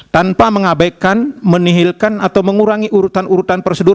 tanpa mengabaikan menihilkan atau mengurangi urutan urutan prosedur